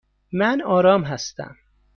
من آرام هستم.